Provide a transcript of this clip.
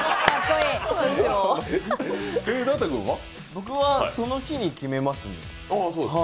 僕はその日に決めます。